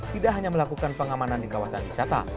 tidak hanya melakukan pengamanan di kawasan wisata